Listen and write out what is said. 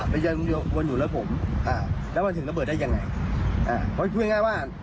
พูดง่ายว่า